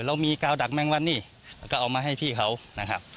เรามีกาวดักแมงวันนี่แล้วก็เอามาให้พี่เขานะครับ